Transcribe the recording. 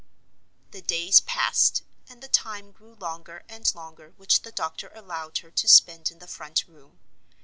The days passed, and the time grew longer and longer which the doctor allowed her to spend in the front room.